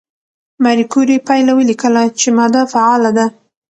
ماري کوري پایله ولیکله چې ماده فعاله ده.